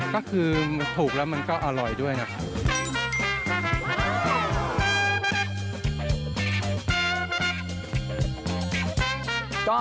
ก็คือถูกแล้วมันก็อร่อยด้วยนะครับ